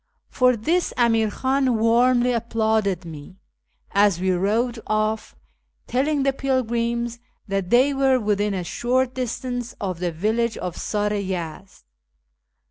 For this Amir Khan warmly applauded me, as we rode off, telling the pilgrims that they were within a short distance of the village of Sar i Yezd.